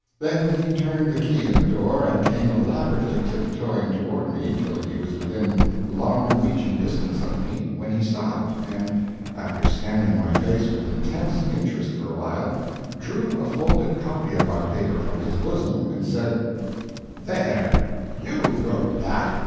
Then he turned the key in the door, and came elaborately tiptoeing toward me till he was within long reaching distance of me, when he stopped and, after scanning my face with intense interest for a while, drew a folded copy of our paper from his bosom, and said: "There, you wrote that.